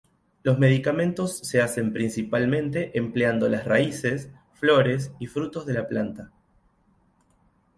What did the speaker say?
Los medicamentos se hacen principalmente empleando las raíces, flores y frutos de la planta.